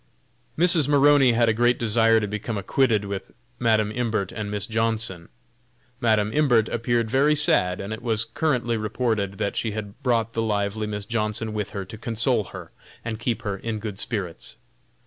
Mrs. Maroney had a great desire to become acquainted with Madam Imbert and Miss Johnson. Madam Imbert appeared very sad, and it was currently reported that she had brought the lively Miss Johnson with her to console her and keep her in good spirits.